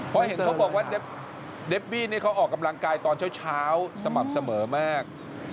เพราะเห็นเขาบอกว่าเดบบี้นี่เขาออกกำลังกายตอนเช้าสม่ำเสมอมาก